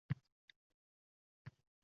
Avvalida barcha asarlar yaxshiday tuyuladi.